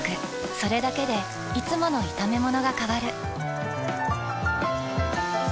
それだけでいつもの炒めものが変わる。